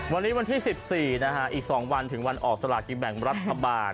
วันนี้วันที่๑๔นะฮะอีก๒วันถึงวันออกสลากินแบ่งรัฐบาล